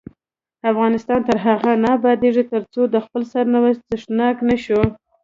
افغانستان تر هغو نه ابادیږي، ترڅو د خپل سرنوشت څښتنان نشو.